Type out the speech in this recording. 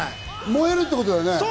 燃えるってことだよね？